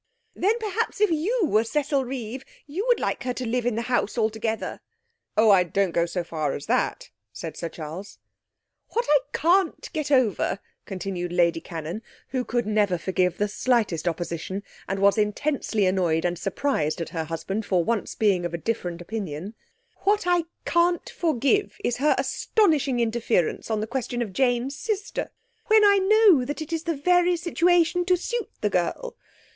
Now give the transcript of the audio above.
'Then perhaps if you were Cecil Reeve you would like her to live in the house altogether?' 'Oh, I don't go so far as that,' said Sir Charles. 'What I can't get over,' continued Lady Cannon, who could never forgive the slightest opposition, and was intensely annoyed and surprised at her husband for once being of a different opinion, 'what I can't forgive is her astonishing interference on the question of Jane's sister! When I know that it is the very situation to suit the girl!